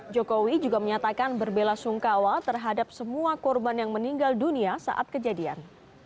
jokowi juga menyatakan berbela sungkawa terhadap semua korban yang meninggal dunia saat kejadian